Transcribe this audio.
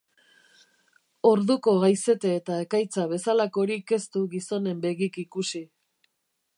Orduko haizete eta ekaitza bezalakorik ez du gizonen begik ikusi.